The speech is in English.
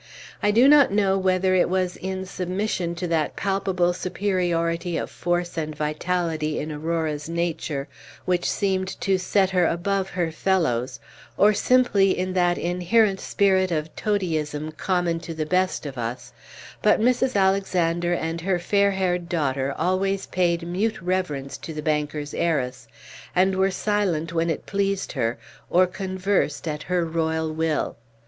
I do not know whether it was in submission to that palpable superiority of force and vitality in Aurora's nature which seemed to set her above her fellows, or simply in that inherent spirit of toadyism common to the best of us; but Mrs. Alexander and her fair haired daughter always paid mute reverence to the banker's heiress, and were silent when it pleased her, or conversed at her royal will.